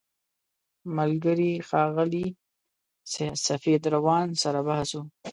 ملګري ښاغلي سفید روان سره بحث و.